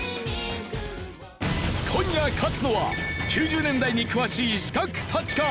今夜勝つのは９０年代に詳しい刺客たちか？